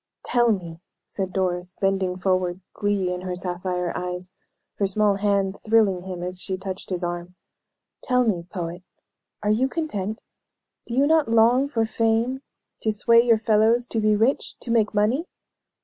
"Tell me," said Doris, bending forward, glee in her sapphire eyes, her small hand thrilling him as she touched his arm; "tell me, poet, are you content? Do you not long for fame? To sway your fellows, to be rich, to make money?"